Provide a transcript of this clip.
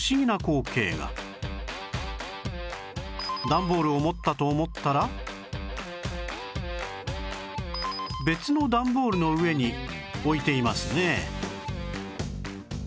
段ボールを持ったと思ったら別の段ボールの上に置いていますね